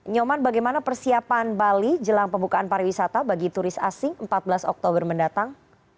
nyoman bagaimana persiapan bali jelang pembukaan pariwisata bagi turis asing empat belas oktober mendatang